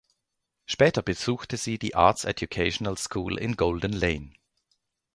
Später besuchte sie die Arts Educational School in Golden Lane.